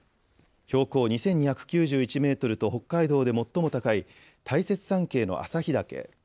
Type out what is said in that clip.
標高２２９１メートルと北海道で最も高い大雪山系の旭岳。